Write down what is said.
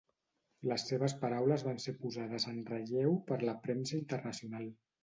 Les seves paraules van ser posades en relleu per la premsa internacional.